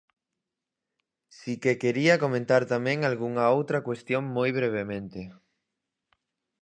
Si que quería comentar tamén algunha outra cuestión moi brevemente.